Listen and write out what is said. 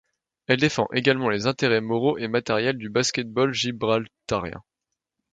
Elle défend également les intérêts moraux et matériels du basket-ball gibraltarien.